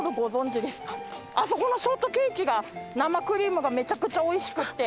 あそこのショートケーキが生クリームがめちゃくちゃおいしくって